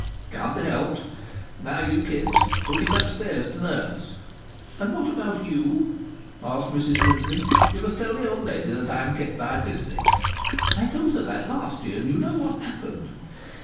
"Can't be helped!... Now, you kids, hook it upstairs to nurse." "And what about you?" asked Mrs Brindley. "You must tell the old lady I'm kept by business." "I told her that last year, and you know what happened."